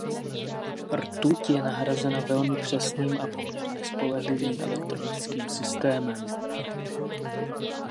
Rtuť je nahrazena velmi přesným a poměrně spolehlivým elektronickým systémem.